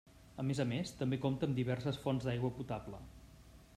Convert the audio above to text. A més a més també compta amb diverses fonts d'aigua potable.